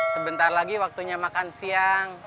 sebentar lagi waktunya makan siang